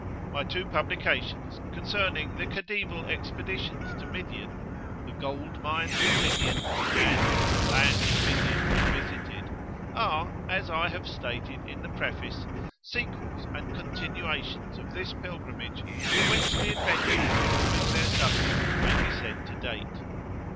My two publications concerning the Khedival Expeditions to Midian ("The Gold Mines of Midian," and "The Land of Midian Revisited"), are, as I have stated in the Preface, sequels and continuations of this Pilgrimage from which the adventures forming their subject may be said to date.